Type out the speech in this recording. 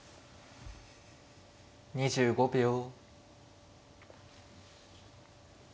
２５秒。